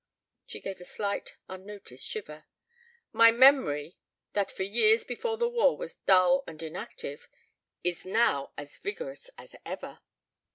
She gave a slight unnoticed shiver. "My memory, that for years before the war was dull and inactive, is now as vigorous as ever."